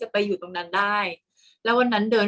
กากตัวทำอะไรบ้างอยู่ตรงนี้คนเดียว